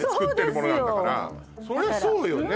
そりゃそうよね